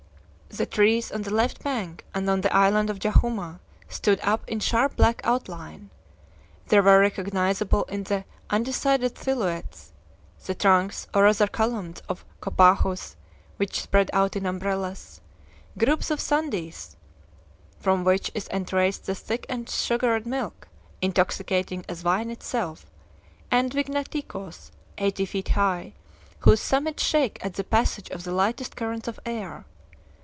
The trees on the left bank and on the island of Jahuma stood up in sharp black outline. There were recognizable in the undecided silhouettes the trunks, or rather columns, of "copahus," which spread out in umbrellas, groups of "sandis," from which is extracted the thick and sugared milk, intoxicating as wine itself, and "vignaticos" eighty feet high, whose summits shake at the passage of the lightest currents of air.